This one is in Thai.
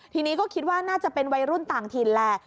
ทีนี้ก็คิดว่าน่าจะเป็นวัยรุ่นต่างถิ่นแหละ